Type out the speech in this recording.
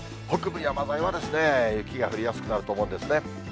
北部山沿いは雪が降りやすくなると思うんですね。